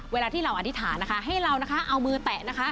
เวลาที่เราอธิษฐานนะคะให้เรานะคะเอามือแตะนะคะ